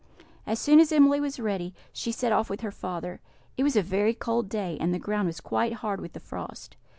As soon as Emily was ready, she set off with her father. It was a very cold day, and the ground was quite hard with the frost.